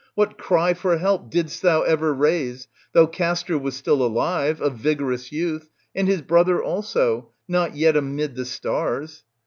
what cry for help didst thou ever raise, though Castor was still alive, a vigorous youth, and his brother also, not yet amid the stars?